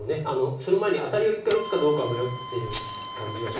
その前にアタリを一回打つかどうかを迷ってる感じはします。